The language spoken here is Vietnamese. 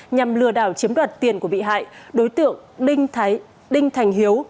nhằm lừa đảo chiếm đoạt tiền của bị hại đối tượng đinh thành hiếu